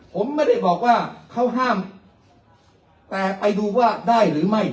ผมไม่ได้บอกว่าเขาห้ามแต่ไปดูว่าได้หรือไม่